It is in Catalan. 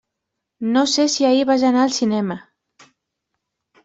No sé si ahir vas anar al cinema.